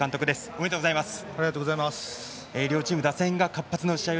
おめでとうございます。